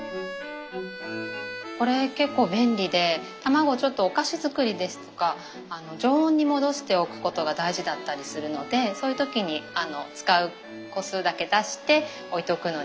これ結構便利で卵ちょっとお菓子作りですとか常温に戻しておくことが大事だったりするのでそういう時に使う個数だけ出して置いとくのに便利に使ってます。